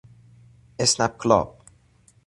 اسنپ کلاب